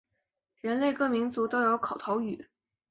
人类各民族都有口头语。